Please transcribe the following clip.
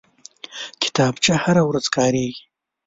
کتابچه هره ورځ کارېږي